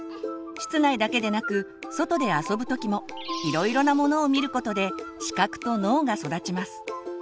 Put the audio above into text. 室内だけでなく外で遊ぶ時もいろいろなものを見ることで視覚と脳が育ちます。